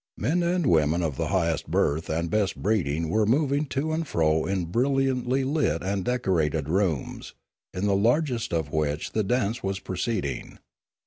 Men and women of the highest birth and best breeding were moving to and fro in brilliantly lit and decorated rooms, in the largest of which the dance was proceeding.